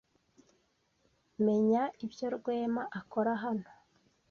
Menya ibyo Rwema akora hano.